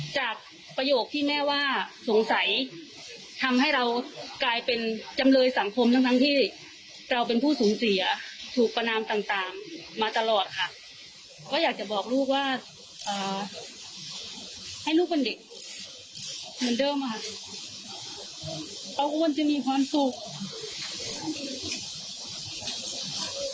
ประโยคที่แม่ว่าสงสัยทำให้เรากลายเป็นจำเลยสังคมทั้งทั้งที่เราเป็นผู้สูญเสียถูกประนามต่างมาตลอดค่ะก็อยากจะบอกลูกว่าให้ลูกเป็นเด็กเหมือนเดิมค่ะเพราะอ้วนจะมีความสุข